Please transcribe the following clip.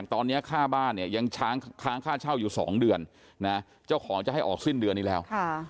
ตอนนี้ค่าบ้านเนี่ยยังค้างค่าเช่าอยู่๒เดือนนะเจ้าของจะให้ออกสิ้นเดือนนี้แล้ว